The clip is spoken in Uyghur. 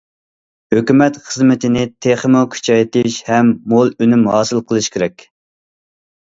ھۆكۈمەت خىزمىتىنى تېخىمۇ كۈچەيتىش ھەم مول ئۈنۈم ھاسىل قىلىش كېرەك.